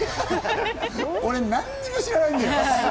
俺、何にも知らないんだよ。